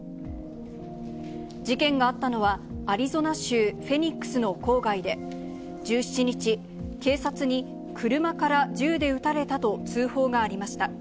事件があったのは、アリゾナ州フェニックスの郊外で、１７日、警察に、車から銃で撃たれたと通報がありました。